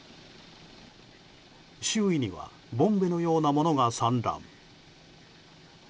周囲にはボンベのようなものが散乱。